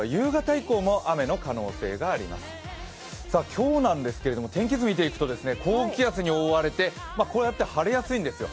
今日なんですけれども天気図を見ていくと高気圧に覆われて、こうやって晴れやすいんですよ。